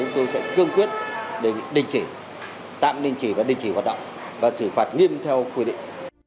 chúng tôi sẽ cương quyết để tạm đình chỉ hoạt động và xử phạt nghiêm theo quy định